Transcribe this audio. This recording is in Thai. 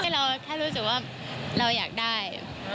ให้เรารู้สึกว่าเราอยากได้